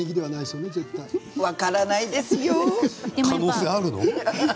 可能性があるの？